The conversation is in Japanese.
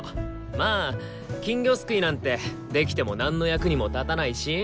まあ金魚すくいなんてできてもなんの役にも立たないし。